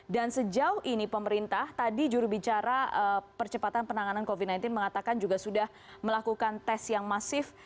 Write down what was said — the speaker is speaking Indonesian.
dan sejauh ini pemerintah tadi jurubicara percepatan penanganan covid sembilan belas mengatakan juga sudah melakukan tes yang masif